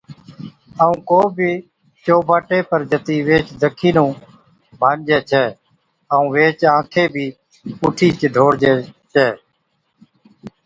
ائُون ڪو بِي چو باٽي پر جتِي ويھِچ دکِي نُون ڀانڃَي ڇَي ائُون ويھِچ آنکي بِي اُٺِيچ ڍوڙَي ڇَي